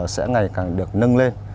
sẽ ngày càng được nâng lên